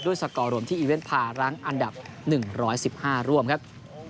ด้วยสก่อรวมที่อีเว้นท์พาร้างอันดับ๑๑๕ร่วมครับ